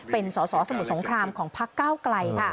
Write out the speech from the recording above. เป็นสอสอสมุทรสงครามของพักเก้าไกล